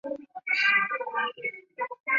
当今社会